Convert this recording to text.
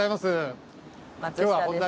松下です。